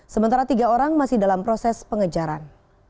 sementara tiga orang masih dalam proses pengejaran